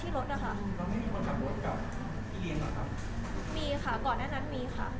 พี่มีค่ะก่อนนั้นมีค่ะ